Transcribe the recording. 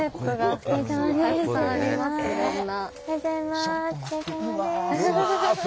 おはようございます。